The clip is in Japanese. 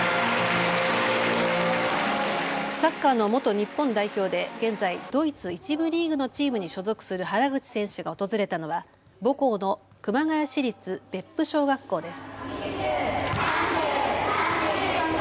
サッカーの元日本代表で現在、ドイツ１部リーグのチームに所属する原口選手が訪れたのは母校の熊谷市立別府小学校です。